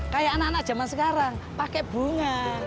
kayak anak anak zaman sekarang pakai bunga